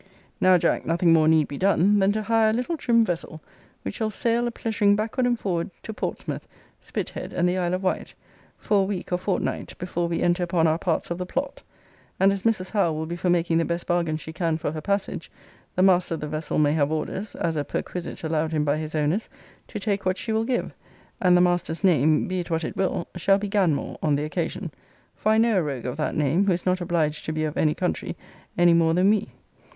Now, Jack, nothing more need be done, than to hire a little trim vessel, which shall sail a pleasuring backward and forward to Portsmouth, Spithead, and the Isle of Wight, for a week or fortnight before we enter upon our parts of the plot. And as Mrs. Howe will be for making the best bargain she can for her passage, the master of the vessel may have orders (as a perquisite allowed him by his owners) to take what she will give: and the master's name, be it what it will, shall be Ganmore on the occasion; for I know a rogue of that name, who is not obliged to be of any country, any more than we.